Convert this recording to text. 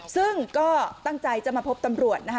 ซึ่งก็ตั้งใจจะมาพบตำรวจนะคะ